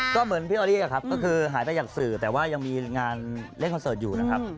ก็เหมือนพี่ออรี่ครับก็คือหายไปจากสื่อแต่ว่ายังมีงานเล่นคอนเสิร์ตอยู่นะครับ